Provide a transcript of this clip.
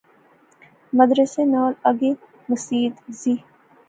مدرسے نال اگے مسیت زی